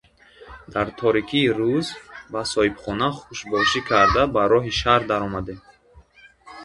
Дар торикии рӯз бо соҳибхона хушбошӣ карда ба роҳи шаҳр даромадем.